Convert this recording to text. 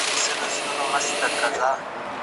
سپین ږیري د جومات په سیوري کې د تېر وخت کیسې کوي.